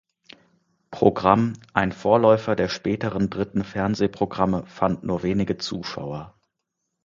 Programm, ein Vorläufer der späteren dritten Fernsehprogramme, fand nur wenige Zuschauer.